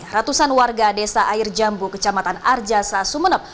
ratusan warga desa air jambu kecamatan arjasa sumeneb